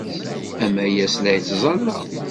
Amayas la yettẓalla.